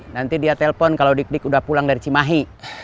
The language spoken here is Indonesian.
nanti dia telpon kalau dikdik udah pulang dari cimahi